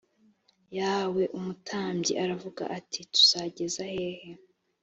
yawe umutambyi aravuga ati tuzageza hehe